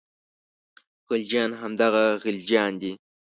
خلجیان همدغه غلجیان دي.